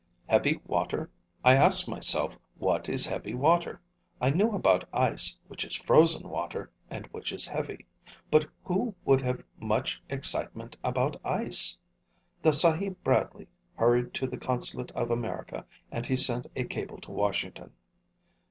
Heavy water? I asked myself what is heavy water. I knew about ice, which is frozen water and which is heavy. But who would have much excitement about ice? The Sahib Bradley hurried to the Consulate of America and he sent a cable to Washington."